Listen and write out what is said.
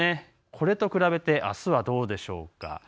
これと比べてあすはどうでしょうか。